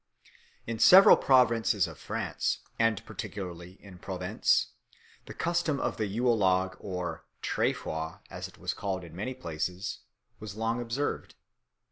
In several provinces of France, and particularly in Provence, the custom of the Yule log or tréfoir, as it was called in many places, was long observed.